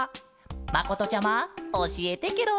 まことちゃまおしえてケロ。